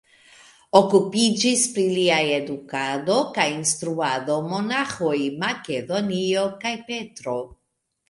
Okupiĝis pri lia edukado kaj instruado monaĥoj Makedonio kaj Petro.